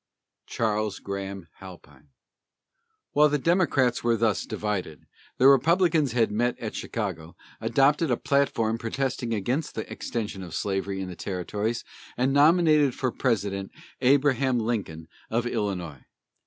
CHARLES GRAHAM HALPINE. While the Democrats were thus divided, the Republicans had met at Chicago, adopted a platform protesting against the extension of slavery in the territories, and nominated for President Abraham Lincoln, of Illinois.